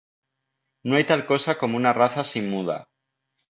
No hay tal cosa como una raza sin muda.